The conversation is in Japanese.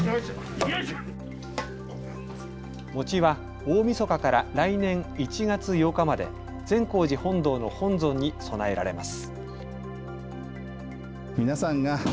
餅は大みそかから来年１月８日まで善光寺本堂の本尊に供えられます。